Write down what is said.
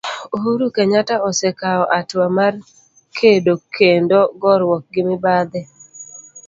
Uhuru Kenyatta osekao atua mar kedo kendo goruok gi mibadhi.